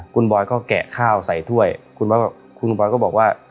คุณบอยก็แกะข้าวใส่ถ้วยคุณบอยก็บอกว่า